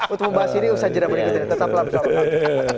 untuk membahas ini usaha tidak berikut ini tetap langsung